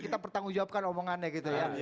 kita pertanggung jawabkan omongannya gitu ya